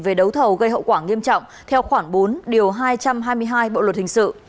về đấu thầu gây hậu quả nghiêm trọng theo khoảng bốn điều hai trăm hai mươi hai bộ luật hình sự